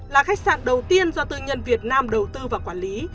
là khách sạn đầu tiên do tư nhân việt nam đầu tư và quản lý